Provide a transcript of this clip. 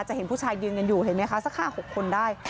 เห็นผู้ชายยืนกันอยู่เห็นไหมคะสัก๕๖คนได้